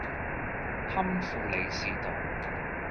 堪富利士道